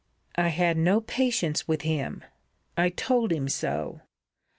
I had no patience with him. I told him so.